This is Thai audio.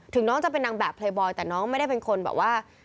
น้องจะเป็นนางแบบเพลย์บอยแต่น้องไม่ได้เป็นคนแบบว่า